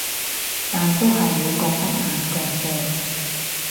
但都係會覺得難過嘅